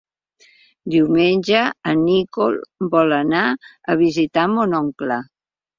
Diumenge en Nico vol anar a visitar mon oncle.